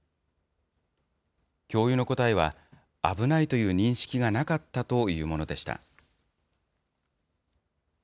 教諭の答えは、危ないという認識がなかったというものでした。